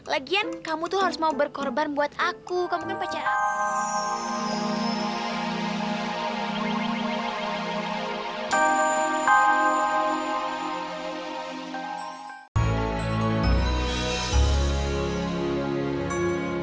lagian kamu tuh harus mau berkorban buat aku kamu kan pecah